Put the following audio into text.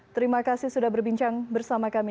terima kasih sudah berbincang bersama kami